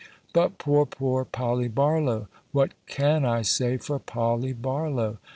But poor, poor Polly Barlow! What can I say for Polly Barlow?